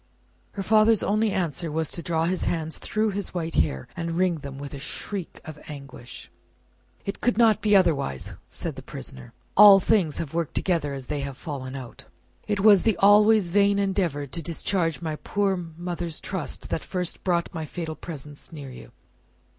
Her father's only answer was to draw his hands through his white hair, and wring them with a shriek of anguish. "It could not be otherwise," said the prisoner. "All things have worked together as they have fallen out. It was the always vain endeavour to discharge my poor mother's trust that first brought my fatal presence near you.